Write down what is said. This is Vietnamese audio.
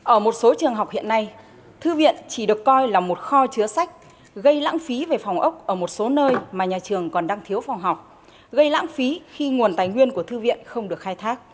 ở một số trường học hiện nay thư viện chỉ được coi là một kho chứa sách gây lãng phí về phòng ốc ở một số nơi mà nhà trường còn đang thiếu phòng học gây lãng phí khi nguồn tài nguyên của thư viện không được khai thác